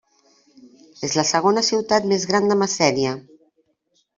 És la segona ciutat més gran de Messènia.